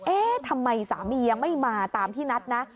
เอ๊ะทำไมสามียังไม่มาตามที่นัดนะ